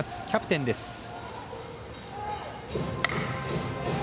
キャプテンです。